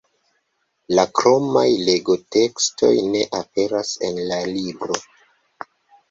La kromaj legotekstoj ne aperas en la libro.